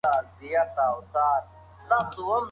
مسواک وهل د روغتیا ساتنې تر ټولو ارزانه لاره ده.